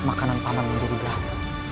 makanan paman menjadi bahanmu